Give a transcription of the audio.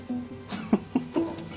フフフッ。